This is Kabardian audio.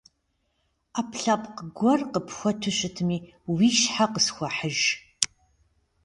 Ӏэпкълъэпкъ гуэр къыпхуэту щытми уи щхьэ къысхуэхьыж.